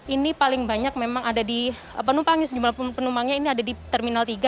ini paling banyak memang ada di penumpangnya sejumlah penumpangnya ini ada di terminal tiga